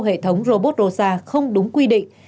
hệ thống robot rosa không đúng quy định